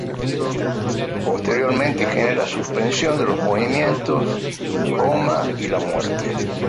Posteriormente genera suspensión de los movimientos, un coma y la muerte.